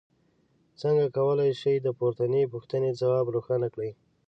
څنګه کولی شئ د پورتنۍ پوښتنې ځواب روښانه کړئ.